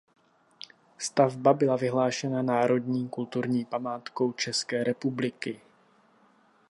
Stavba byla vyhlášena národní kulturní památkou České republiky.